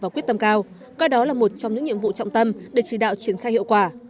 và quyết tâm cao coi đó là một trong những nhiệm vụ trọng tâm để chỉ đạo triển khai hiệu quả